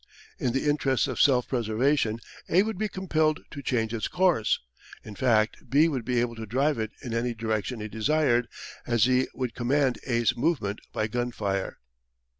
In the interests of self preservation A would be compelled to change its course; in fact, B would be able to drive it in any direction he desired, as he would command A's movements by gun fire.